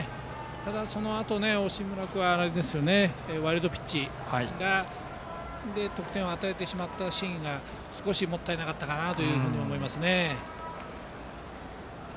ただ、そのあと惜しむらくはワイルドピッチで得点を与えてしまったシーンがもったいなかったかなと思います。